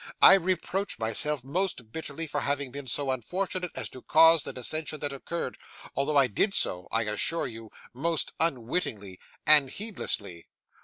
I reproach myself, most bitterly, for having been so unfortunate as to cause the dissension that occurred, although I did so, I assure you, most unwittingly and heedlessly.